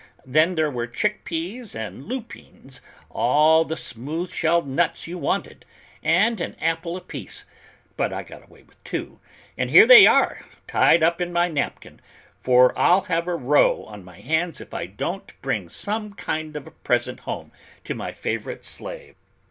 Then there were chick peas and lupines, all the smooth shelled nuts you wanted, and an apple apiece, but I got away with two, and here they are, tied up in my napkin; for I'll have a row on my hands if I don't bring some kind of a present home to my favorite slave.